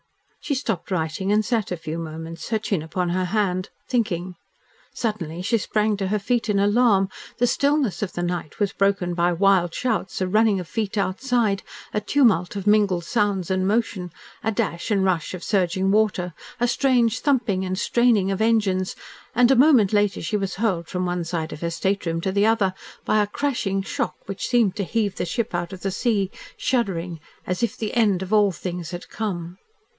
She stopped writing and sat a few moments, her chin upon her hand, thinking. Suddenly she sprang to her feet in alarm. The stillness of the night was broken by wild shouts, a running of feet outside, a tumult of mingled sounds and motion, a dash and rush of surging water, a strange thumping and straining of engines, and a moment later she was hurled from one side of her stateroom to the other by a crashing shock which seemed to heave the ship out of the sea, shuddering as if the end of all things had come.